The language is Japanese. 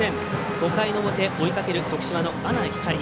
５回の表、追いかける徳島阿南光。